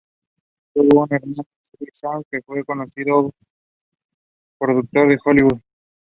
Therefore it collectively means giving birth to the other six notes of the music.